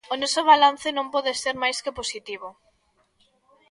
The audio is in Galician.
O noso balance non pode ser máis que positivo.